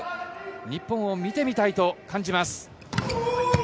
日本を見てみたいと感じます。